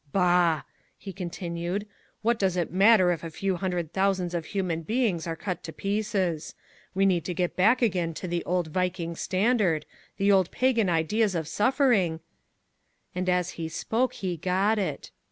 Bah!" he continued, "what does it matter if a few hundred thousands of human beings are cut to pieces. We need to get back again to the old Viking standard, the old pagan ideas of suffering " And as he spoke he got it.